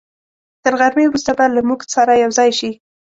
تر غرمې وروسته به له موږ سره یوځای شي.